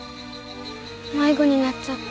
迷子になっちゃって。